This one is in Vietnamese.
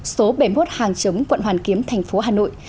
số bảy mươi một hàng chống quận hoàn kiếm tp hà nội